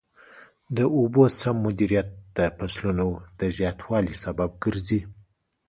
د اوبو سم مدیریت د فصلونو د زیاتوالي سبب ګرځي.